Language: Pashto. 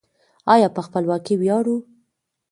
آیا په خپلواکۍ ویاړو؟